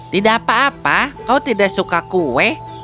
tidak apa apa kau tidak suka kue